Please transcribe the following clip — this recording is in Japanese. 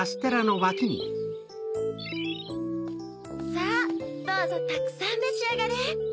さぁどうぞたくさんめしあがれ。